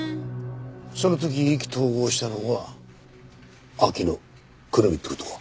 その時意気投合したのが秋野胡桃って事か。